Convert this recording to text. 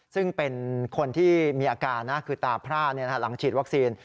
ซึ่งเป็นคนที่มีอาการนะคือตาพร่าหลังฉีดวัคซีน